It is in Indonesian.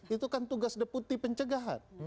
itu kan tugas deputi pencegahan